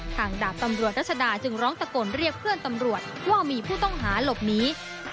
ดาบตำรวจรัชดาจึงร้องตะโกนเรียกเพื่อนตำรวจว่ามีผู้ต้องหาหลบหนี